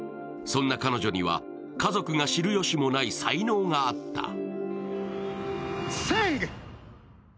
そんな彼女には家族が知る由もない才能があった。